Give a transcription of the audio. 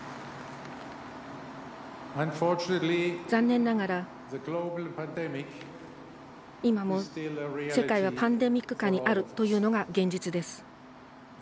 残念ながら今も世界はパンデミック下にあるというのが現実です。